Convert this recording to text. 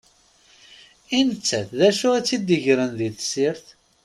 I nettat, d acu i tt-id-igren di tessirt?